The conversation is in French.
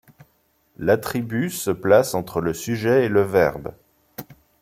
L'attribut se place entre le sujet et le verbe.